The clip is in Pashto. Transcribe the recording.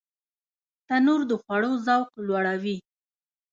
تنور د خوړو ذوق لوړوي